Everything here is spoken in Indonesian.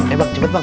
eh bang cepet bang